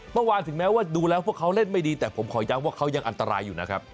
เมื่อวานถึงแม้ว่าดูแล้วพวกเขาเล่นไม่ดีแต่ผมขอย้ำว่าเขายังอันตรายอยู่นะครับ